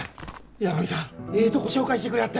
八神さんええとこ紹介してくれはった。